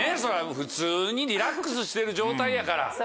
普通にリラックスしてる状態やから。